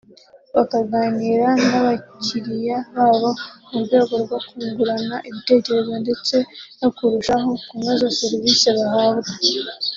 bakaganira n’abakiriya babo mu rwego rwo kungurana ibitekerezo ndetse no kurushaho kunoza serivisi bahabwa